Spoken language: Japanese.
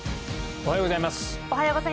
おはようございます。